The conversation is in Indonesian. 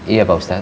iya pak ustadz